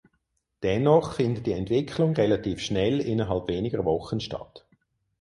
Dennoch findet die Entwicklung relativ schnell innerhalb weniger Wochen statt.